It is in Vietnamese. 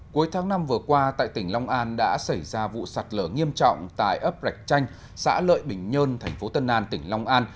cuối tháng năm vừa qua tại tỉnh long an đã xảy ra vụ sạt lở nghiêm trọng tại ấp rạch chanh xã lợi bình nhơn tp tân an tỉnh long an